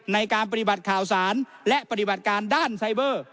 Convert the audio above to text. ในการปฏิบัติข่าวสารและปฏิบัติการด้านไซเบอร์